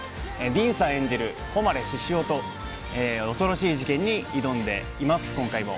ディーンさん演じる誉獅子雄と恐ろしい事件に挑んでいます、今回も。